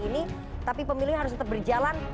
ini tapi pemilih harus tetap berjalan